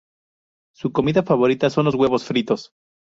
Su comida favorita son los huevos fritos.